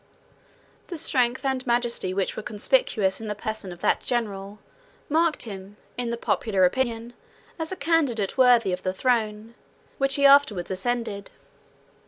The strength and majesty which were conspicuous in the person of that general, 152 marked him, in the popular opinion, as a candidate worthy of the throne, which he afterwards ascended.